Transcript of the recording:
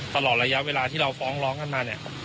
ตลอดระยะเวลาที่เราฟ้องร้องกันมาเนี่ย